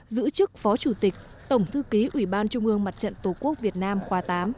giữ chức phó chủ tịch tổng thư ký ủy ban trung ương mặt trận tổ quốc việt nam khóa tám